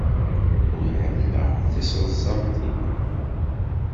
Ur ḥemmleɣ tiseḍsa am ti.